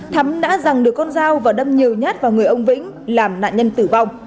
thắm đã giành được con dao và đâm nhiều nhát vào người ông vĩnh làm nạn nhân tử vong